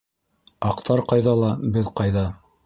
Аҡтар ҡайҙа ла, беҙ ҡайҙа.